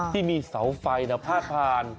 ที่มีเสาไฟพาดผ่าน